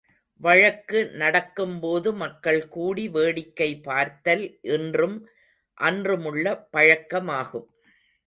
வழக்கு நடக்கும்போது மக்கள் கூடி வேடிக்கை பார்த்தல் இன்றும் அன்றுமுள்ள பழக்கமாகும்.